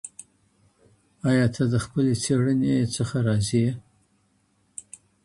ایا ته د خپلې څيړني څخه راضي یې؟